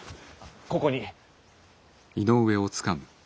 ここに。